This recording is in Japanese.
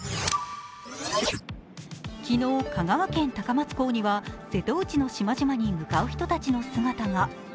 昨日、香川県・高松港には瀬戸内の島々に向かう人たちの姿が。